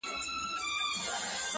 • دا به چيري خيرن سي.